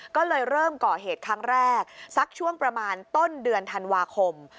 ก็เลยเริ่มก่อเหตุครั้งแรกสักช่วงประมาณต้นเดือนธันวาคม